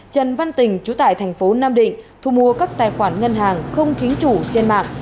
trần văn tình chú tại thành phố nam định thu mua các tài khoản ngân hàng không chính chủ trên mạng